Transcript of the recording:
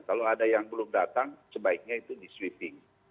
kalau ada yang belum datang sebaiknya itu di sweeping